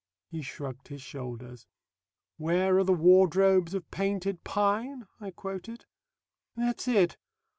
He shrugged his shoulders. "Where are the wardrobes of Painted Pine?" I quoted. "That's it.